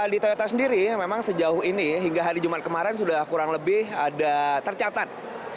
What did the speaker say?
di toyota sendiri memang sejauh ini hingga hari jumat kemarin sudah kurang lebih ada tercatat